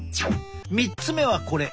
３つ目はこれ。